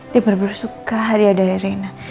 dia bener bener suka hadiah dari reina